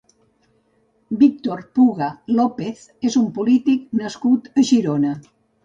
Víctor Puga López és un polític nascut a Girona.